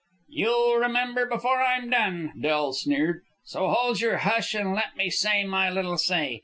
"You'll remember before I'm done," Del sneered; "so hold your hush and let me say my little say.